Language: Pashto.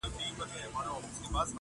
هم به د دوست- هم د رقیب له لاسه زهر چښو-